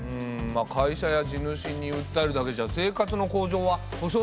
会社や地主にうったえるだけじゃ生活の向上は保障されないもんね。